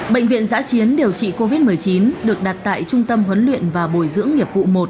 bệnh viện giã chiến điều trị covid một mươi chín được đặt tại trung tâm huấn luyện và bồi dưỡng nghiệp vụ một